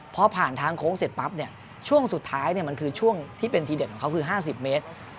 พอผ่านทางโค้งเสร็จปั๊บเนี่ยช่วงสุดท้ายมันคือช่วงที่เป็นทีเด็ดของเขาคือ๕๐เมตร